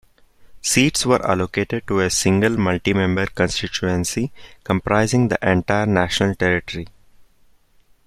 Seats were allocated to a single multi-member constituency comprising the entire national territory.